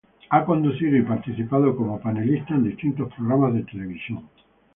Ha conducido y participado como panelista en distintos programas de televisión.